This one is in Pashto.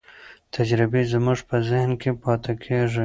تجربې زموږ په ذهن کې پاتې کېږي.